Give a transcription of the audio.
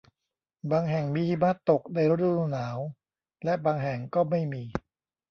บางแห่งมีหิมะตกในฤดูหนาวและบางแห่งก็ไม่มี